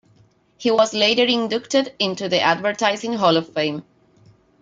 He was later inducted into the Advertising Hall of Fame.